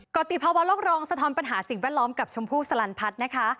กรติภาวะโลกรองสะท้อนปัญหาสิ่งแวดล้อมกับชมพู่สลันพัฒน์นะคะ